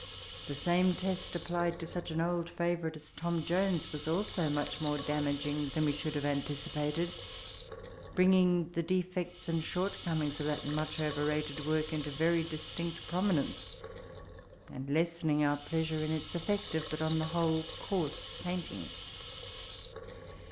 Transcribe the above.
The same test ap ; plied to such an old favourite as' Tom Jona, was also much more \ damaging than we should have anti | cipat^ — bringing the defects and I shortcomings of that much over \ rated work into very distinct promi nence, and lessening our pleasure in its effective, but, on the whole, coarse painting.